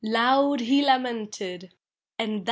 " Loud he lamented. — And that